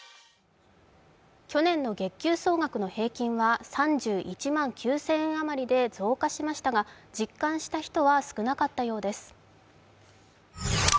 去年の月給総額の平均は３１万９０００円あまりで増加しましたが、実感した人は少なかったようです。